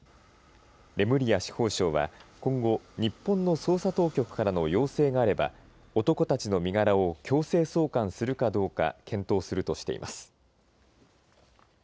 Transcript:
レムリア司法相は今後日本の捜査当局からの要請があれば男たちの身柄を強制送還するかどうか検討するとしています。